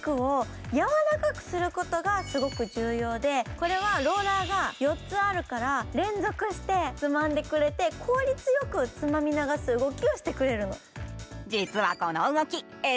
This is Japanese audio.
これはローラーが４つあるから連続してつまんでくれて、効率よく、つまみ流す動きをしてくれるの。